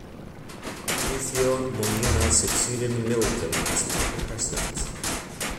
Vinicio Molina succeeded Middleton as party president.